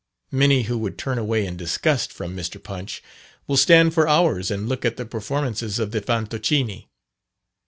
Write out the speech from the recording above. Many who would turn away in disgust from Mr. Punch, will stand for hours and look at the performances of the Fantoccini.